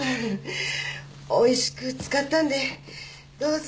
おいしく漬かったんでどうぞ。